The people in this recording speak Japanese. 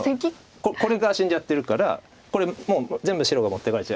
これが死んじゃってるからこれもう全部白が持っていかれちゃいます。